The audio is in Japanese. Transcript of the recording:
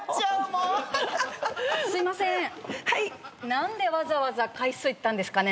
何でわざわざ回数言ったんですかね？